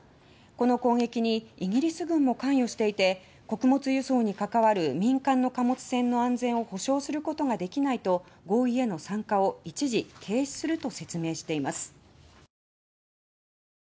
この攻撃にイギリス軍の関与していて穀物輸送に関わる民間の貨物船の安全を保障することができないと合意への参加を一時停止すると説明しています。